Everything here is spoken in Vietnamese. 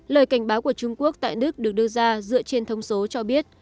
lời cảnh báo của trung quốc tại đức được đưa ra dựa trên thông số cho biết